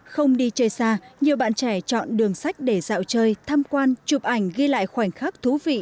không đi chơi xa nhiều bạn trẻ chọn đường sách để dạo chơi tham quan chụp ảnh ghi lại khoảnh khắc thú vị